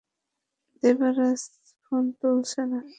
Devaraj phone তুলছে না।